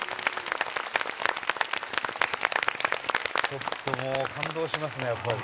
ちょっと、もう感動しますね、やっぱり。